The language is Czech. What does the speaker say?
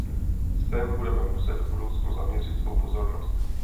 Sem budeme muset v budoucnu zaměřit svou pozornost.